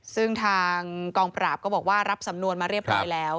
ซึ่งทางกองปราบก็บอกว่ารับสำนวนมาเรียบร้อยแล้ว